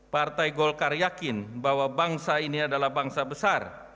partai golkar yakin bahwa bangsa ini adalah bangsa besar